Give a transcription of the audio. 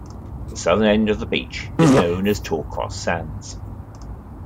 The southern end of the beach is known as Torcross Sands.